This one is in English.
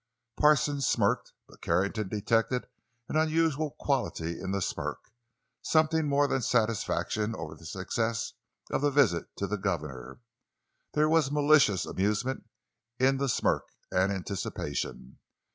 Parsons smirked. But Carrington detected an unusual quality in the smirk—something more than satisfaction over the success of the visit to the governor. There was malicious amusement in the smirk, and anticipation.